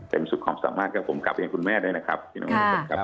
เต็มสุขความสัมาครครับผมกลับเรียนคุณแม่ค่ะ